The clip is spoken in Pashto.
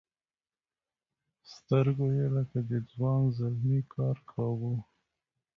سترګو یې لکه د ځوان زلمي کار کاوه.